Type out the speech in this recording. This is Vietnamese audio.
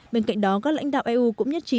bên cạnh đó các lãnh đạo eu cũng nhất trí